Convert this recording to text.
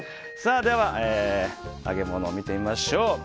では、揚げ物を見てみましょう。